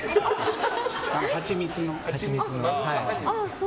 ハチミツの。